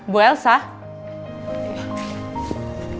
boleh saja kita pulang ya